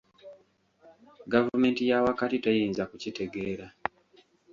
Gavumenti ya wakati teyinza kukitegeera.